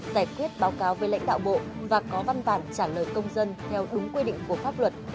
giải quyết báo cáo với lãnh đạo bộ và có văn bản trả lời công dân theo đúng quy định của pháp luật